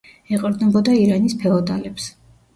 ეყრდნობოდა ირანის ფეოდალებს.